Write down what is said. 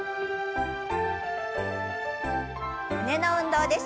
胸の運動です。